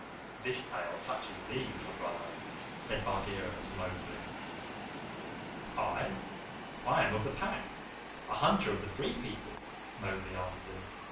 "This tale touches thee, Little Brother," said Bagheera to Mowgli. "I? I am of the Pack a hunter of the Free People," Mowgli answered.